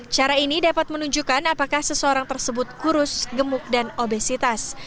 cara ini dapat menunjukkan apakah seseorang tersebut kurus gemuk dan obesitas